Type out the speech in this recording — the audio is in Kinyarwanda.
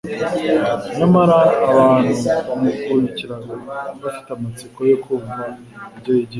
Nyamara abantu bamukurikiraga bafite amatsiko yo kumva ibyo yigisha.